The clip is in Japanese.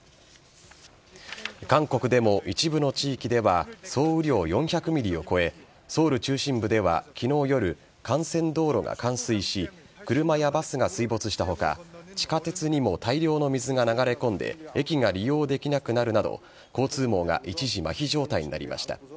韓国でも一部の地域では、総雨量４００ミリを超え、ソウル中心部ではきのう夜、幹線道路が冠水し、車やバスが水没したほか、地下鉄にも大量の水が流れ込んで、駅が利用できなくなるなど、交通網が一時まひ状態になりました。